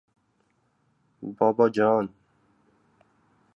— Bobojon!